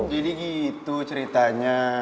jadi gitu ceritanya